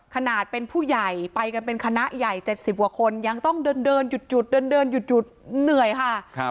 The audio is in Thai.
ขนาดเป็นผู้ใหญ่ไปกันเป็นคณะใหญ่๗๐กว่าคนยังต้องเดินหยุดเดินหยุดเหนื่อยค่ะ